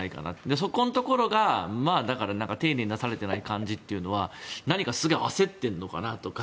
そこのところが丁寧になされていない感じというのは何か焦っているのかなとか